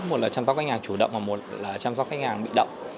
một là chăm sóc khách hàng chủ động và một là chăm sóc khách hàng bị động